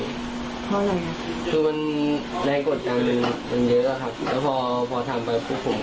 เพราะอะไรฮะคือมันใดกดกันมันเยอะกว่าครับแล้วพอพอทำไปคือผม